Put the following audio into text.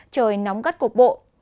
trời nóng gắt cuộc bộ